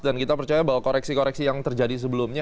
dan kita percaya bahwa koreksi koreksi yang terjadi sebelumnya